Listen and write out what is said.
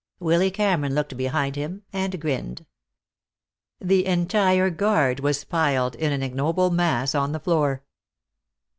Willy Cameron looked behind him and grinned. The entire guard was piled in an ignoble mass on the floor.